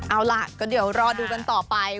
เอาล่ะก็เดี๋ยวรอดูกันต่อไป